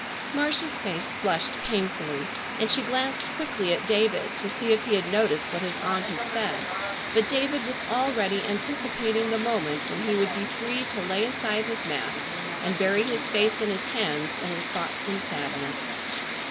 Marcia's face flushed painfully, and she glanced quickly at David to see if he had noticed what his aunt had said, but David was already anticipating the moment when he would be free to lay aside his mask and bury his face in his hands and his thoughts in sadness.